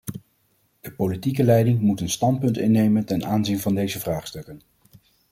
De politieke leiding moet een standpunt innemen ten aanzien van deze vraagstukken.